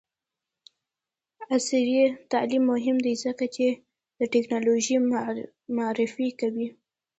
عصري تعلیم مهم دی ځکه چې د نانوټیکنالوژي معرفي کوي.